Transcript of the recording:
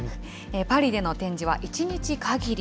パリでの展示は１日限り。